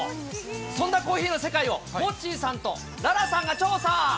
そんなコーヒーの世界をモッチーさんと楽々さんが調査。